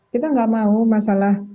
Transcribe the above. kita nggak mau masalah